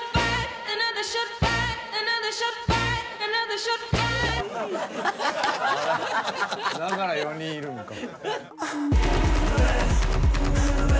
だから４人いるのか。